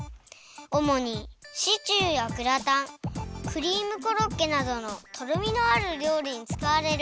おもにシチューやグラタンクリームコロッケなどのとろみのあるりょうりにつかわれる。